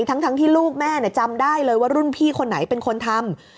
ทั้งที่ลูกแม่จำได้เลยว่ารุ่นพี่คนไหนเป็นคนทำ